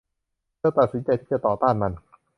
เธอตัดสินใจที่จะต่อต้านมัน